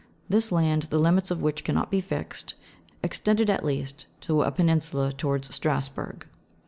This land, the limits of which cannot be fixed, extended at least to a peninsula towards Strasburg.